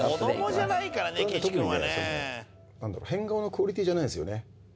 これは変顔のクオリティーじゃないんすよね。